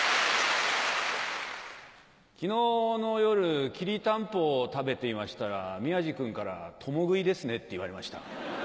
昨日の夜きりたんぽを食べていましたら宮治君から「共食いですね」って言われました。